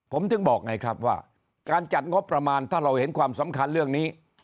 ผมถึงบอกไงครับว่าการจัดงบประมาณถ้าเราเห็นความสำคัญเรื่องนี้